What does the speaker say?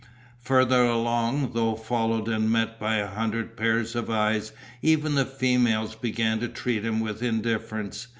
Further along, though followed and met by a hundred pairs of eyes, even the females began to treat him with indifference.